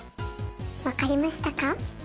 分かりましたか？